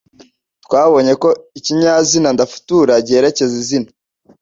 Twabonye ko ikinyazina ndafutura giherekeza izina